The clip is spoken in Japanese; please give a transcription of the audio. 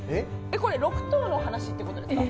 これ６頭の話ってことですか？